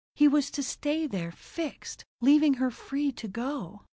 He was to stay there, fixed, leaving her free to go.